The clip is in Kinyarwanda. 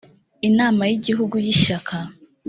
inama y igihugu y ishyaka